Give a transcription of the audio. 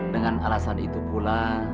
dengan alasan itu pula